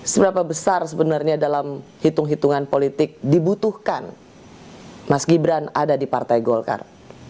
seberapa besar sebenarnya dalam hitung hitungan politik dibutuhkan mas gibran ada di partai golkar